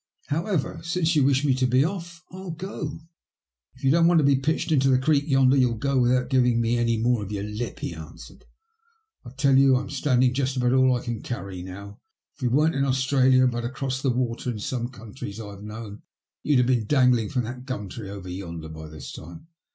However, since you wish me to be off 111 go." " If you don't want to be pitched into the Creek yonder you'll go without giving me any more of your lip," he answered. *' I tell you I'm standing just about all I can carry now. If we weren't in Australia, but across the water in some countries I've known, you'd have been dangling from that gum tree over yonder by this time."